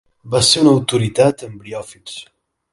Va ser una autoritat en briòfits.